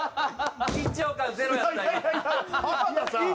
緊張感ゼロやった今。